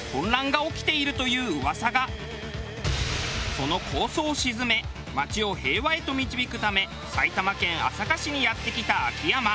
その抗争を鎮め街を平和へと導くため埼玉県朝霞市にやって来た秋山。